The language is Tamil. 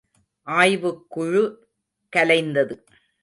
ஆய்வுக் குழு கலைந்தது.